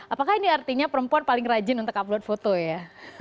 apakah ini artinya perempuan paling rajin untuk upload foto ya